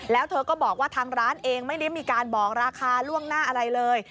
แล้วเธอก็บอกว่าทางร้านเองไม่ได้มีการบอกราคาล่วงหน้าอะไรเลย